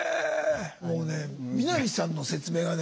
もうね南さんの説明がね